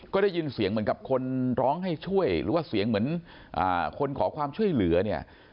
ก็ได้ยินเสียงเหมือนกับคนร้องให้ช่วยหรือว่าเสียงเหมือนคนขอความช่วยเหลือเนี่ย